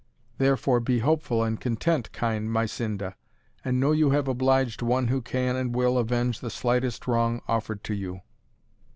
Therefore be hopeful and content, kind Mysinda, and know you have obliged one who can and will avenge the slightest wrong offered to you."